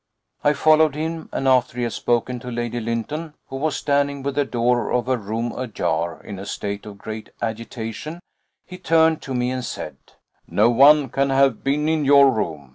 I followed him, and after he had spoken to Lady Lynton, who was standing with the door of her room ajar in a state of great agitation, he turned to me and said: "No one can have been in your room.